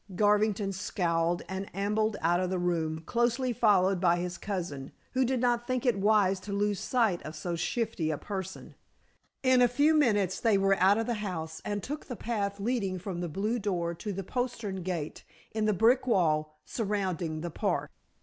Garvington scowled and ambled out of the room, closely followed by his cousin, who did not think it wise to lose sight of so shifty a person. In a few minutes they were out of the house and took the path leading from the blue door to the postern gate in the brick wall surrounding the park.